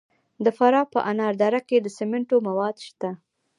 د فراه په انار دره کې د سمنټو مواد شته.